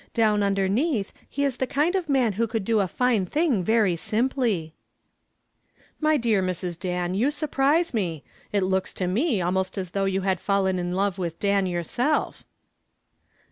Down underneath he is the kind of man who could do a fine thing very simply." "My dear Mrs. Dan, you surprise me. It looks to me almost as though you had fallen in love with Dan yourself."